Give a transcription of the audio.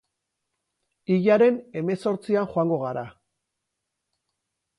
Hilaren hemezortzian joango gara.